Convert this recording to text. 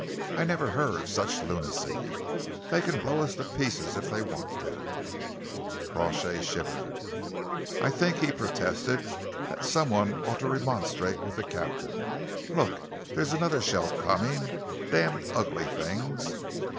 I never heard of such lunacy. They can blow us to pieces if they want to." Crawshay shivered. "I think," he protested, "that some one ought to remonstrate with the captain. Look, there's another shell coming! Damned ugly things!"